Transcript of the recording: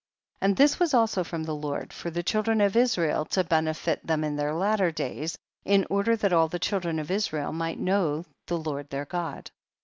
7. And this was also from the Lord, for the children of Israel, to benefit them in their latter days, in order that all the children of Israel might know the Lord their God.